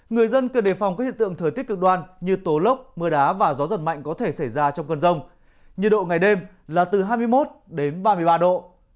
người dân cần đề phòng các hiện tượng thời tiết cực đoan như tố lốc mưa đá và gió giật mạnh có thể xảy ra trong cơn rông nhiệt độ ngày đêm là từ hai mươi một ba mươi ba độ